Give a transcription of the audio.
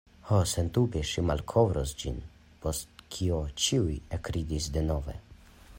Ho, sendube ŝi malkovros ĝin. Post kio ĉiuj ekridis denove.